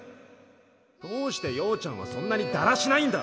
どうしてようちゃんはそんなにだらしないんだ！